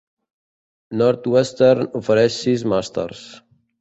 Northwestern ofereix sis màsters.